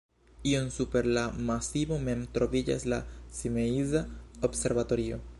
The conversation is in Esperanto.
Iom super la masivo mem troviĝas la Simeiza observatorio.